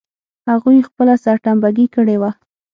هغوی خپله سرټمبه ګي کړې وه.